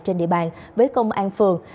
trên địa bàn với công an phường